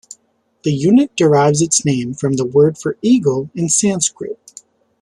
The unit derives its name from the word for eagle in Sanskrit.